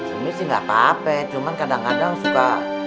umi sih gak capek cuman kadang kadang suka